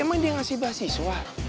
emang dia ngasih beasiswa